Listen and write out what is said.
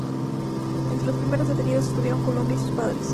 Entre los primeros detenidos estuvieron Columba y sus padres.